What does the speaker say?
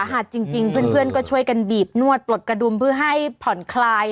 หัดจริงเพื่อนก็ช่วยกันบีบนวดปลดกระดุมเพื่อให้ผ่อนคลาย